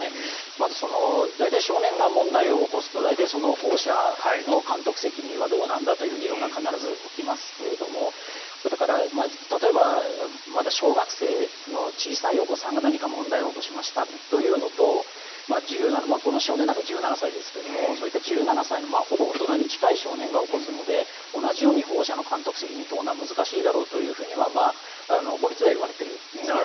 まず、大体少年が問題を起こすと大体、保護者の監督責任はどうなんだという議論が必ず起きますが例えば、まだ小学生の小さいお子さんが何か問題を起こしましたというのとこの少年なんか１７歳ですけれどそういった１７歳のほぼ大人に近い少年が起こすので同じように保護者の監督責任を問うのは難しいだろうと法律では言われているんですね。